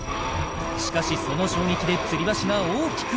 しかしその衝撃でつり橋が大きく